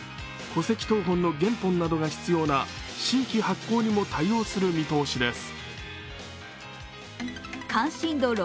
戸籍謄本の原本などが必要な新規発行にも対応する見通しです。